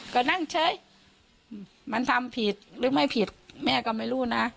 ก็นั่งเฉยมันทำผิดหรือไม่ผิดแม่ก็ไม่รู้นะ